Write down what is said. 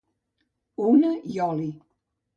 Una i oli!